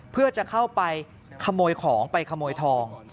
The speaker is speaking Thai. เพื่อจะเข้าไปขโมยของไปขโมยทอง